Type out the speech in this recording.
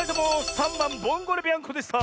３ばん「ボンゴレビアンコ」でした！